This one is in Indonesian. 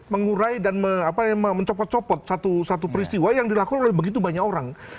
mengurai dan mencopot copot satu peristiwa yang dilakukan oleh begitu banyak orang